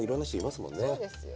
そうですよ